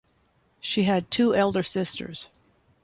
She had two elder sisters.